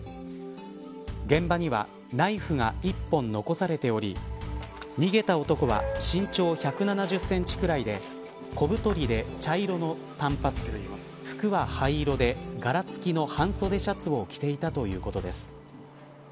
現場にはナイフが１本残されており逃げた男は身長１７０センチくらいで小太りで、茶色の短髪服は灰色で柄付きの半袖シャツを着ていたということです。